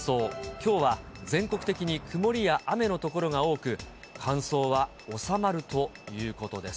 きょうは全国的に曇りや雨の所が多く、乾燥は収まるということです。